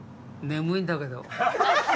眠いんだけど。